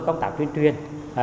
công tác tuyên truyền